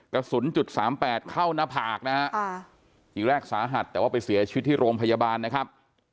กระสุนจุดสามแปดเข้าหน้าผากนะฮะทีแรกสาหัสแต่ว่าไปเสียชีวิตที่โรงพยาบาลนะครับ